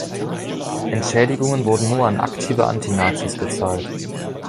Entschädigungen wurden nur an aktive Anti-Nazis gezahlt.